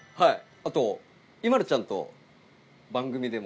あとＩＭＡＬＵちゃんと番組でも。